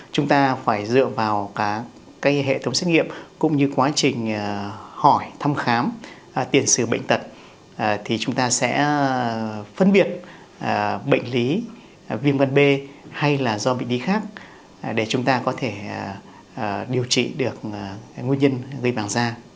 chúng ta phải dựa vào hệ thống xét nghiệm cũng như quá trình hỏi thăm khám tiền xử bệnh tật thì chúng ta sẽ phân biệt bệnh lý viêm gan b hay là do bệnh lý khác để chúng ta có thể điều trị được nguyên nhân gây vàng da